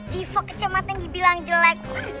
divo kecematan dibilang jelek